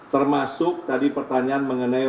termasuk tadi pertanyaan mengenai